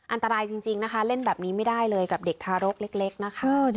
อันตรายจริงนะคะเล่นแบบนี้ไม่ได้เลยกับเด็กทารกเล็กนะคะ